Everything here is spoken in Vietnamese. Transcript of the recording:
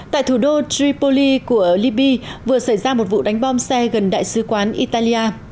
tại thủ đô tripoli của libby vừa xảy ra một vụ đánh bom xe gần đại sứ quán italia